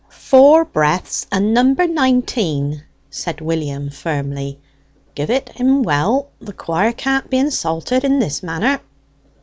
"Four breaths, and number nineteen!" said William firmly. "Give it him well; the quire can't be insulted in this manner!"